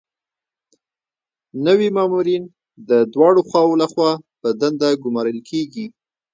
نوي مامورین د دواړو خواوو لخوا په دنده ګمارل کیږي.